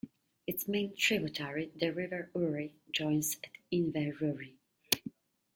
Its main tributary, the River Ury, joins at Inverurie.